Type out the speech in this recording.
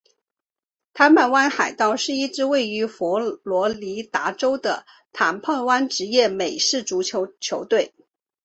坦帕湾海盗是一支位于佛罗里达州的坦帕湾职业美式足球球队。